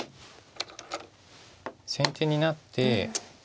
先手になって。